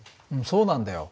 そうなんだよ。